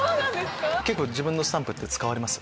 結構自分のスタンプって使われます？